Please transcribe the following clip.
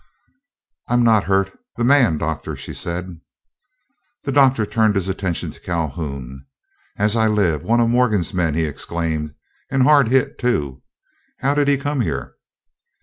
"I am not hurt. The man, Doctor," she said. The Doctor turned his attention to Calhoun. "As I live, one of Morgan's men," he exclaimed, "and hard hit, too. How did he come here?"